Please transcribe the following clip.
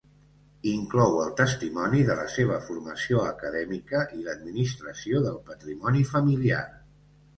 Inclou el testimoni de la seva formació acadèmica i l'administració del patrimoni familiar.